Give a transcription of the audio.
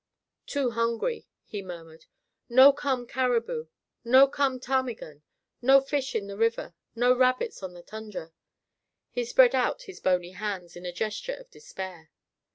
"Too hungry," he murmured, "No come caribou. No come ptarmigan. No fish in the river; no rabbits on the tundra!" He spread out his bony hands in a gesture of despair.